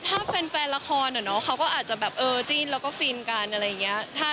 ถ้าแฟนละครอะเนาะเขาก็อาจจะแบบเออจิ้นแล้วก็ฟินกันอะไรอย่างนี้